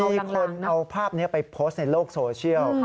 มีคนเอาภาพนี้ไปโพสต์ในโลกโซเชียล